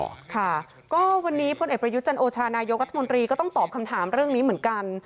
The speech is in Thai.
ค่ะก็วันนี้พลเอกประยุทธ์จันโอชานายกรัฐมนตรีก็ต้องตอบคำถามเรื่องนี้เหมือนกัน